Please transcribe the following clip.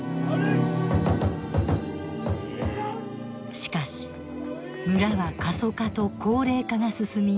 しかし村は過疎化と高齢化が進み